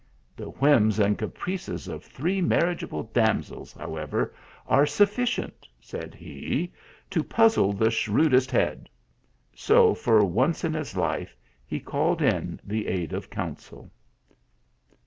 " The whims and caprices of three marriageable damsf Is, however, are sufficient," said he, " to puzzle the shrewdest head." So, for once in his life, he called in the aid of counsel.